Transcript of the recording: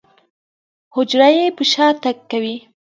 حجرې يې په شاتګ کوي.